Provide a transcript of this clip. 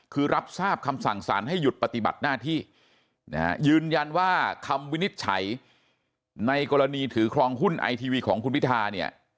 คือรับทราบคำสั่งสารให้หยุดปฏิบัติหน้าที่นะฮะยืนยันว่าคำวินิจฉัยในกรณีถือครองหุ้นไอทีวีของคุณพิธาเนี่ย